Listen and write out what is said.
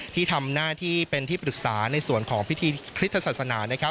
ที่ทำหน้าที่เป็นที่ปรึกษาในส่วนของพิธีคริสตศาสนานะครับ